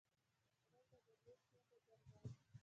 مړه ته د نیک نیت اجر غواړو